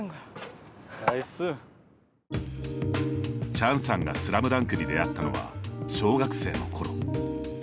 チャンさんがスラムダンクに出会ったのは、小学生のころ。